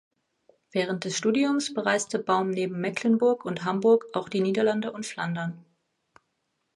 Während des Studiums bereiste Baum neben Mecklenburg und Hamburg auch die Niederlande und Flandern.